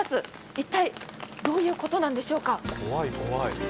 一体、どういうことなんでしょうか？